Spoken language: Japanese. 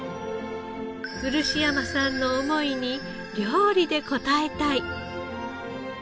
漆山さんの想いに料理で答えたい。